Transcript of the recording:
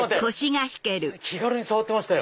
気軽に触ってましたよ。